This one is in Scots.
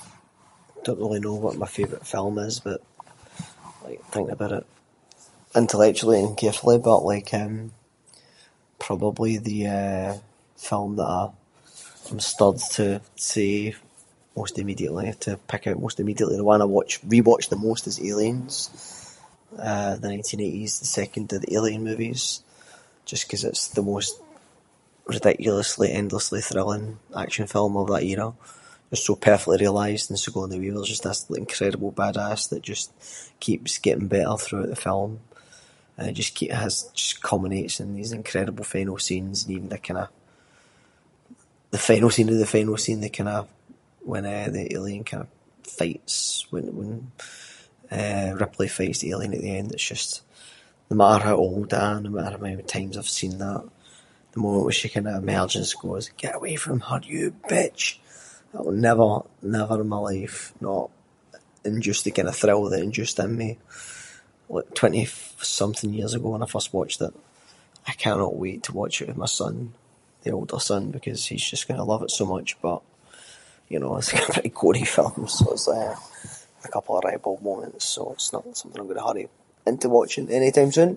I don’t really know what my favourite film is but- like thinking about it, intellectually and carefully but like eh, probably the film that I’m stirred to say most immediately- to pick out most immediately, the one I’ve watched- rewatched the most is Aliens. The nineteen-eighties the second of the Alien movies, just because it’s the most ridiculously endlessly thrilling action film of that era. It’s so perfectly realised and Sigourney Weaver is just this incredible badass that just keeps getting better throughout the film and just keeps- just culminates in these incredible final scenes, and even kind of the final scene of the final scene, the kind of, when the alien kind of fights wi- when Ripley fights the alien at the end, it’s just- no matter how old I am, no matter how many times I’ve seen that, the moment she kind of emerges and goes “get away from her you bitch” It’ll never never in my life not induce the kind of thrill that it induced in me like twenty-something years ago when I first watched it. I cannot wait to watch it with my son- the older son because he’s just going to love it so much, but you know it’s a pretty gory film so there’s a couple of ripe old moments, so it’s not something I’m going to hurry him into watching anytime soon.